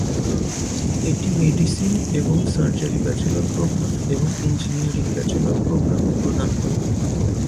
এটি মেডিসিন এবং surgery bachelor programme এবং ইঞ্জিনিয়ারিং ব্যাচেলর প্রদান করে।